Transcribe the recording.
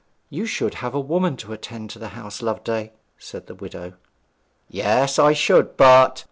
'You should have a woman to attend to the house, Loveday,' said the widow. 'Yes, I should, but